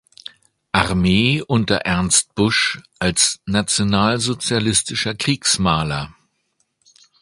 Armee unter Ernst Busch als nationalsozialistischer Kriegsmaler.